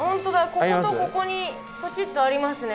こことここにポチっとありますね。